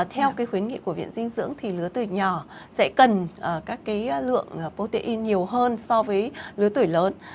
theo cái khuyến nghị của viện dinh dưỡng thì lứa tuổi nhỏ sẽ cần các cái lượng protein nhiều hơn so với lứa tuổi lớn